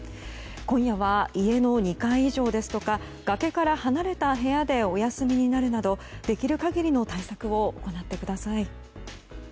今夜は家の２階以上ですとか崖から離れた部屋でお休みになるなどできる限りの対策を行ってください。